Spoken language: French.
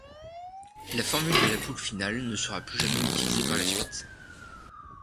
La formule de la poule finale ne sera plus jamais utilisée par la suite.